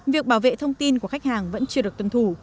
việc bảo vệ thông tin của khách hàng vẫn chưa được tuân thủ